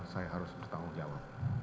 saya harus bertanggung jawab